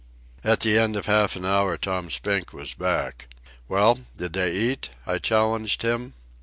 At the end of half an hour Tom Spink was back. "Well, did they eat?" I challenged him.